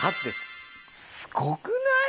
すごくない？